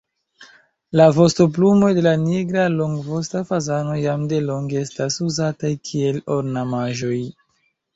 La vostoplumoj de la nigra longvosta fazano jam delonge estas uzataj kiel ornamaĵoj.